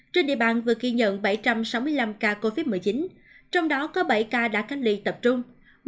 trên địa bàn vừa ghi nhận bảy trăm sáu mươi năm ca covid một mươi chín trong đó có bảy ca đã cách ly tập trung